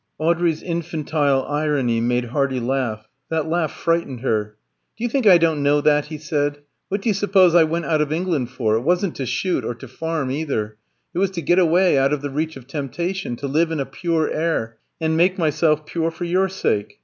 Audrey's infantile irony made Hardy laugh. That laugh frightened her. "Do you think I don't know that?" he said. "What do you suppose I went out of England for? It wasn't to shoot, or to farm either. It was to get away out of the reach of temptation, to live in a pure air, and make myself pure for your sake.